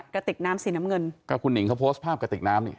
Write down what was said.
กระติกน้ำสีน้ำเงินก็คุณหิงเขาโพสต์ภาพกระติกน้ำนี่